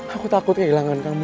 aku takut kehilangan kamu